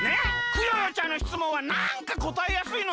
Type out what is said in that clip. クヨヨちゃんのしつもんはなんかこたえやすいのよ。